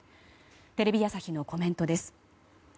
テレビ朝日のコメントです。